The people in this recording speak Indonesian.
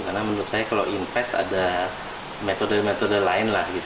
karena menurut saya kalau invest ada metode metode lain lah gitu